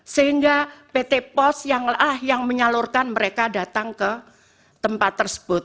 sehingga pt pos yang menyalurkan mereka datang ke tempat tersebut